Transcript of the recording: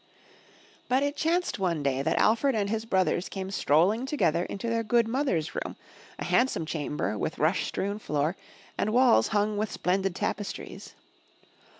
But it chanced one day that Alfred and his brothers came strolling together into their good mother^s room, a handsome chamber with rush strewn floor, and walls hung with splendid tapestries.